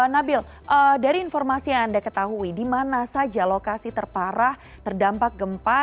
nabil dari informasi yang anda ketahui di mana saja lokasi terparah terdampak gempa